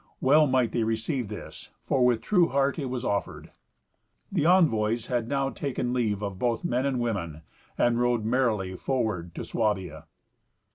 Well might they receive this, for with true heart it was offered. The envoys had now taken leave of both men and women, and rode merrily forward to Swabia.